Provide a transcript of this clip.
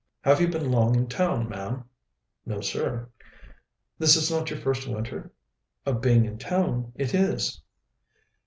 "Have you been long in town, ma'am?" "No, sir." "This is not your first winter?" "Of being in town, it is."